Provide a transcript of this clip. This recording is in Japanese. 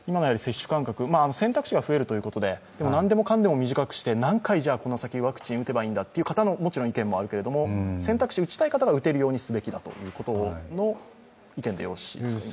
選択肢が増えるということで何でもかんでも短くして何回この先、ワクチンを打てばいいんだという意見もありますが選択肢、打ちたい方が打てるようにすべきだという意見でよろしいですか。